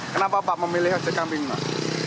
kenapa pak memilih ojek kambing pak